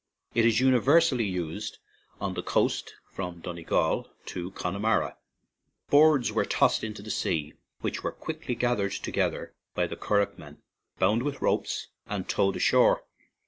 It is universally used on the coast from Donegal to Con nemara.) Boards were tossed into the 1 06 ARAN ISLANDS sea, which were quickly gathered together by the curragh men, bound with ropes, and towed ashore.